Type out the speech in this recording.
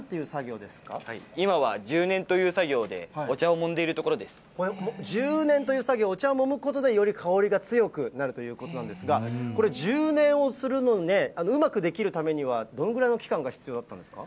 今、今は揉捻という作業で、揉捻という作業、お茶をもむことで、より香りが強くなるということなんですが、これ、揉捻をするのにね、うまくできるためには、どのぐらいの期間が必要だったんですか。